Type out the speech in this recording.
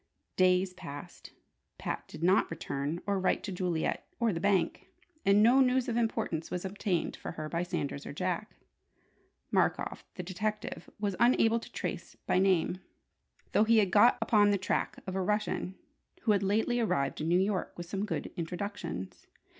Days passed. Pat did not return or write to Juliet or the bank. And no news of importance was obtained for her by Sanders or Jack. Markoff the detective was unable to trace by name, though he had got upon the track of a Russian who had lately arrived in New York with some good introductions.